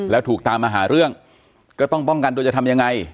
แล้วถูกตามมาหาเรื่องก็ต้องป้องกันโดยจะทำยังไง